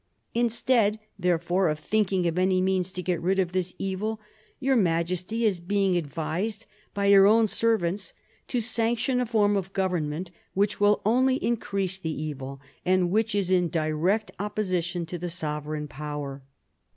Instead, therefore, of thinking of any means to get rid of this evil, your Majesty is being advised by your own servants to sanction a form of government which will only increase the evil, and which is in direct opposition to the sovereign power."